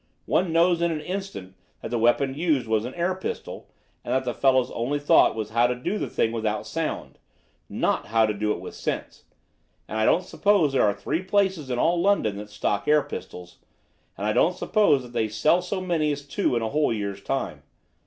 One knows in an instant that the weapon used was an air pistol, and that the fellow's only thought was how to do the thing without sound, not how to do it with sense. I don't suppose that there are three places in all London that stock air pistols, and I don't suppose that they sell so many as two in a whole year's time.